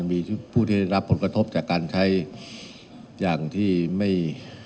มีผู้ที่ได้รับผลกระทบจากการใช้อย่างที่ไม่